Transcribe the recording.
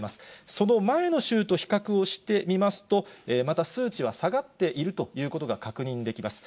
その前の週と比較をしてみますと、また数値は下がっているということが確認できます。